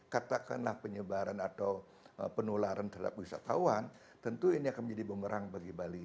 katakanlah penyebaran atau penularan terhadap wisatawan tentu ini akan menjadi bumerang bagi bali